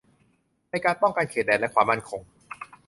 ในการป้องกันเขตแดนและความมั่นคง